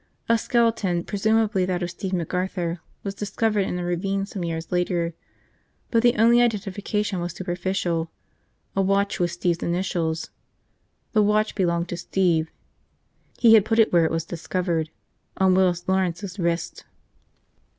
A skeleton, presumably that of Steve McArthur, was discovered in a ravine some years later, but the only identification was superficial, a watch with Steve's initials. The watch belonged to Steve. He had put it where it was discovered – on Willis Lawrence's wrist.